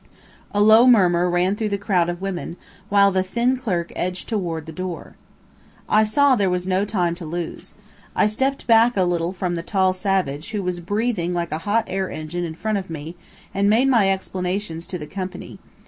A low murmur ran through the crowd of women, while the thin clerk edged toward the door. I saw there was no time to lose. I stepped back a little from the tall savage, who was breathing like a hot air engine in front of me, and made my explanations to the company.